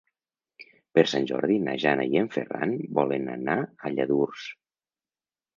Per Sant Jordi na Jana i en Ferran volen anar a Lladurs.